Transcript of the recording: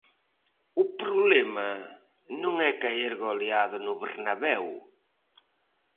O problema non é caer goleado no Bernabéu.